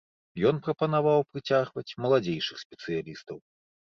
Ён прапанаваў прыцягваць маладзейшых спецыялістаў.